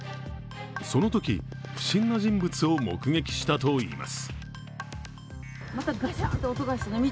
そのとき不審な人物を目撃したといいます。